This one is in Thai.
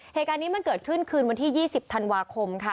เหตุการณ์นี้มันเกิดขึ้นคืนวันที่๒๐ธันวาคมค่ะ